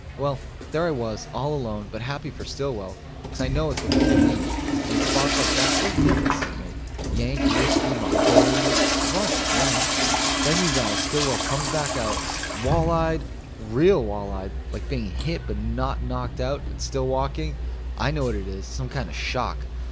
Well, there I was, all alone, but happy for Stillwell, cause I know it's what the kid needs, and in spots like that what difference does it make? Yank Ruskie Mongolian as long as she's willing. Then, you guys, Stillwell comes back out wall eyed real wall eyed like being hit but not knocked out and still walking. I know what it is some kind of shock.